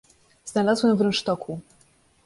— Znalazłam w rynsztoku.